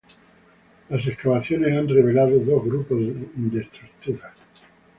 Las excavaciones han revelado dos grupos de estructuras.